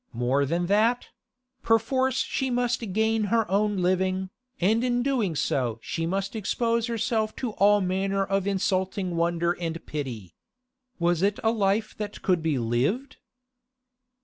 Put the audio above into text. More than that; perforce she must gain her own living, and in doing so she must expose herself to all manner of insulting wonder and pity. Was it a life that could be lived?